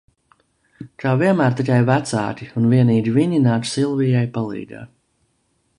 Kā vienmēr tikai vecāki, un vienīgi viņi, nāk Silvijai palīgā.